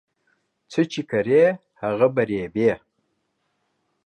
څه چې کرې هغه به ریبې